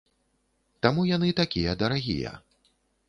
Таму яны такія дарагія.